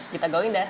kita going dah